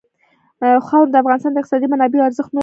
خاوره د افغانستان د اقتصادي منابعو ارزښت نور هم زیاتوي.